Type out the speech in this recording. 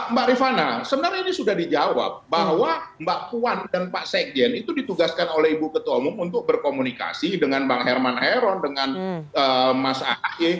mbak rifana sebenarnya ini sudah dijawab bahwa mbak puan dan pak sekjen itu ditugaskan oleh ibu ketua umum untuk berkomunikasi dengan bang herman heron dengan mas ahy